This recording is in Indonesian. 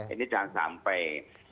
ini jangan sampai